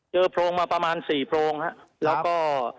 โพรงมาประมาณ๔โพรงครับแล้วก็